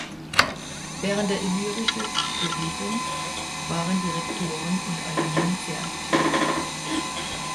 Während der Illyrische Bewegung waren die Rektoren und Alumnen sehr aktiv.